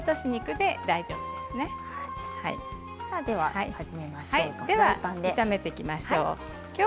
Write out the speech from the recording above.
では始めていきましょう。